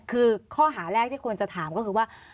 คือข้อหาแรกที่ควรจะถามก็คือว่า